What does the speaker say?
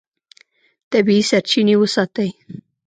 طبیعي سرچینې وساتئ.